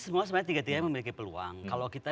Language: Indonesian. semua sebenarnya tiga tiganya memiliki peluang kalau kita